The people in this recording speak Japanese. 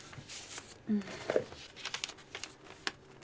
うん。